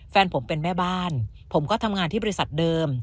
แฟนผมเป็นแม่บ้านผมก็ทำงานที่บริษัทเดิม